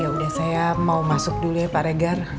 ya udah saya mau masuk dulu ya pak regar